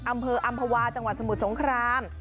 อำเภออำภาวาจังหวัดสมุทรสงคราม